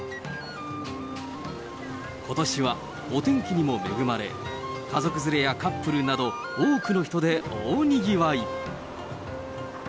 ことしはお天気にも恵まれ、家族連れやカップルなど、多くの人で大にぎわい。